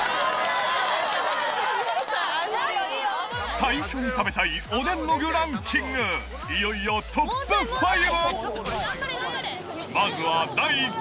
最初に食べたいおでんの具ランキング、いよいよトップ５。